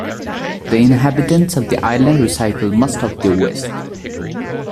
The inhabitants of the island recycle most of their waste.